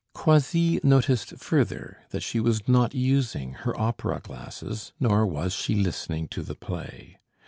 Croisilles noticed further that she was not using her opera glasses, nor was she listening to the play.